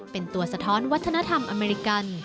เป็นตัวสะท้อนวัฒนธรรมอเมริกัน